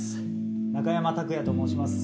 中山拓也と申します。